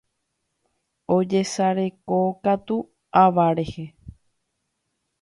Ojesarekokatu ava rehe.